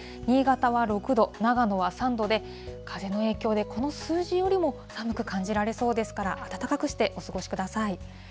新潟は６度、長野は３度で、風の影響でこの数字よりも寒く感じられそうですから、暖かくしてお過ごしください。